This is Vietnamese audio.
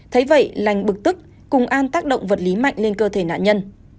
thấy vậy lành bực tức cùng an tác động vật lý mạnh lên cơ thể nạn nhân